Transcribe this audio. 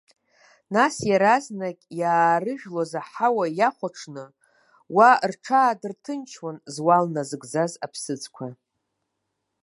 Нас иаразнак иаарыжәлоз аҳауа иахәаҽны, уа рҽаадырҭынчуан зуал назыгӡаз аԥсыӡқәа.